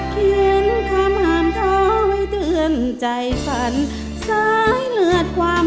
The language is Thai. เขียนคำห้ามท้อไว้เตือนใจฝันซ้ายเลือดความ